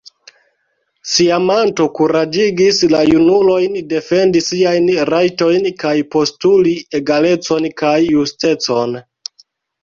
Siamanto kuraĝigis la junulojn defendi siajn rajtojn kaj postuli egalecon kaj justecon.